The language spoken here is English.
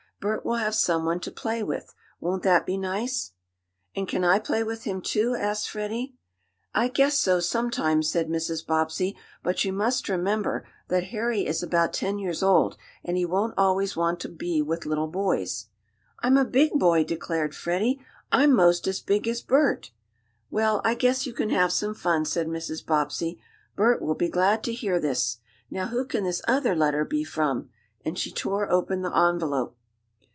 Bert will have someone to play with. Won't that be nice?" "And can I play with him, too?" asked Freddie. "I guess so, sometimes," said Mrs. Bobbsey. "But you must remember that Harry is about ten years old, and he won't always want to be with little boys." "I'm a big boy!" declared Freddie. "I'm 'most as big as Bert." "Well, I guess you can have some fun," said Mrs. Bobbsey. "Bert will be glad to hear this. Now, who can this other letter be from?" and she tore open the envelope.